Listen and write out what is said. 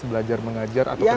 belajar mengajar atau pesaharian